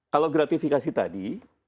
kalau gratifikasi tadi